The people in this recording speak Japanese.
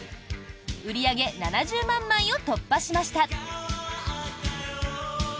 売り上げ７０万枚を突破しました。